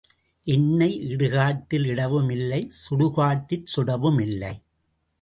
என்னை இடு காட்டில் இடவும் இல்லை சுடுகாட்டிற் சுடவுமில்லை.